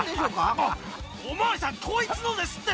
お巡りさんこいつのですって！